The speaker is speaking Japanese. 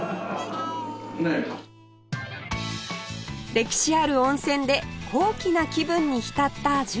歴史ある温泉で高貴な気分に浸った純ちゃん